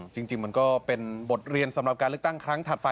จริงมันก็เป็นบทเรียนสำหรับการเลือกตั้งครั้งถัดไป